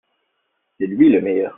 C'est lui le meilleur.